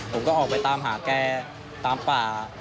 ผมก็ออกไปตามหาแกตามป่า